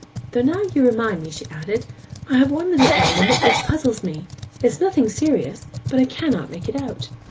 'Though, now you remind me,' she added, 'I have one little ailment which puzzles me. It is nothing serious, but I cannot make it out.